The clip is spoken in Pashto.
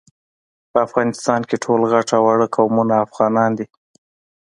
په افغانستان کي ټول غټ او واړه قومونه افغانان دي